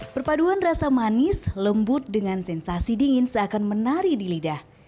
perpaduan rasa manis lembut dengan sensasi dingin seakan menari di lidah